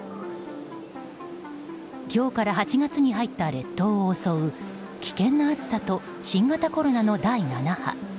今日から８月に入った列島を襲う危険な暑さと新型コロナの第７波。